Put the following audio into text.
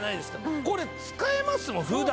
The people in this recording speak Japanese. これ使えますもん普段。